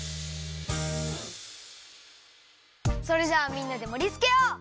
それじゃあみんなでもりつけよう！